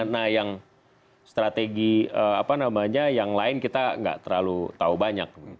nah yang strategi apa namanya yang lain kita nggak terlalu tahu banyak